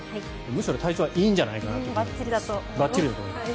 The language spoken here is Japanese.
むしろ、体調はいいんじゃないかと思います。